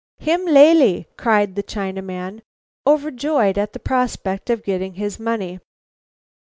"Him lalee!" cried the Chinaman, overjoyed at the prospect of getting his money.